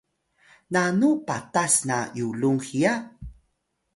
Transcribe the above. nanu patas na yulung hiya?